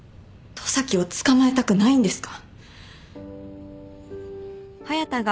十崎を捕まえたくないんですか？